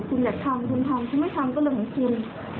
คุณอยากทำคุณทำคุณไม่ทำก็เรื่องของคุณ